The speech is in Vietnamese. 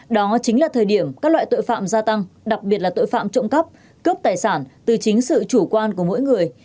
đó chính là thời điểm các loại tội phạm gia tăng đặc biệt là tội phạm trộm cắp cướp tài sản từ chính sự chủ quan của mỗi người